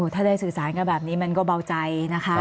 ถ้าได้สื่อสารกันแบบนี้มันก็เบาใจนะคะ